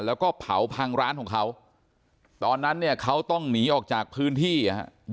แล้วก็เผาพังร้านของเขาตอนนั้นเนี่ยเขาต้องหนีออกจากพื้นที่อ่ะฮะ